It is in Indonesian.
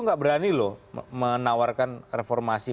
nggak berani loh menawarkan reformasi